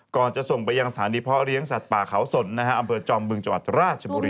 จะส่งไปยังสถานีเพาะเลี้ยงสัตว์ป่าเขาสนอำเภอจอมบึงจังหวัดราชบุรี